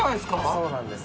そうなんです。